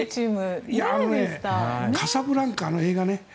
カサブランカの映画ね。